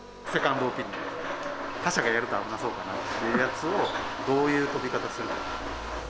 他社がやると危なそうかなっていうやつをどういう飛び方するのか。